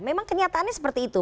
memang kenyataannya seperti itu